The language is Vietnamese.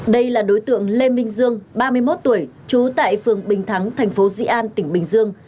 đây là đối tượng lê minh dương ba mươi một tuổi trú tại phường bình thắng tp di an tỉnh bình dương